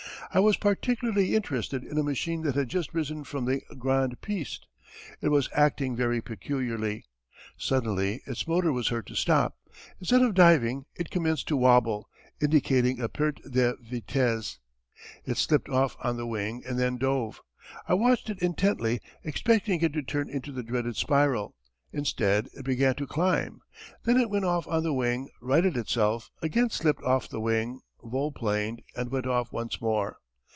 I was particularly interested in a machine that had just risen from the "Grande Piste." It was acting very peculiarly. Suddenly its motor was heard to stop. Instead of diving it commenced to wabble, indicating a perte de vitesse. It slipped off on the wing and then dove. I watched it intently, expecting it to turn into the dreaded spiral. Instead it began to climb. Then it went off on the wing, righted itself, again slipped off on the wing, volplaned, and went off once more.